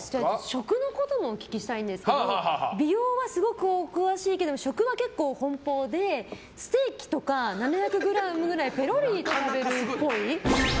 食のこともお聞きしたいんですが美容はすごくお詳しいけど食は結構奔放でステーキとか７００ｇくらいペロリと食べるっぽい。